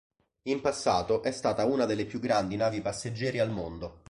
In passato è stata una delle più grandi navi passeggeri al mondo.